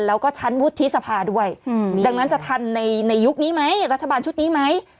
แล้วก็ชั้นวุฒิสภาด้วยดังนั้นจะทันในยุคนี้ไหมรัฐบาลชุดนี้ไหม